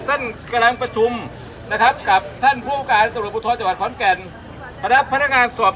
มากำลังประชวุมของท่านภูมิการจักรปุงทธนภาค๖